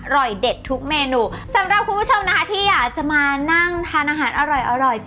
เด็ดทุกเมนูสำหรับคุณผู้ชมนะคะที่อยากจะมานั่งทานอาหารอร่อยอร่อย